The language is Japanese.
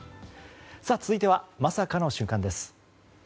続いてはまさかの瞬間です。